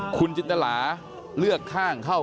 คุณจินตราเลือกข้างเข้า